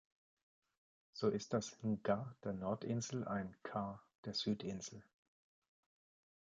So ist das "nga" der Nordinsel ein "ka" der Südinsel.